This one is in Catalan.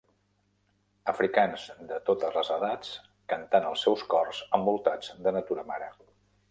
Africans de totes les edats cantant els seus cors envoltats de natura mare.